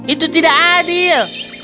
itu tidak adil